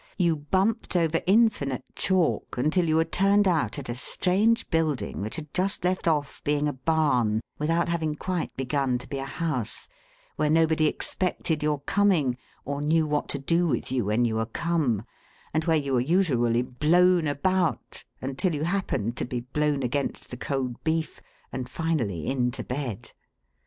You bumped over infinite chalk, until you were turned out at a strange building which had just left off being a barn without having quite begun to be a house, where nobody expected your coming, or knew what to do with you when you were come, and where you were usually blown about, until you happened to be blown against the cold beef, and finally into bed.